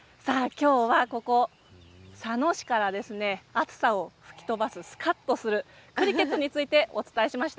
今日はここ佐野市から暑さを吹き飛ばす、すかっとするクリケットについてお伝えしました。